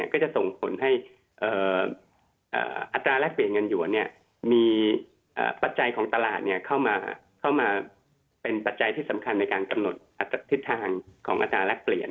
ก็จะส่งผลให้อัตราแรกเปลี่ยนเงินหวนมีปัจจัยของตลาดเข้ามาเป็นปัจจัยที่สำคัญในการกำหนดทิศทางของอัตราแรกเปลี่ยน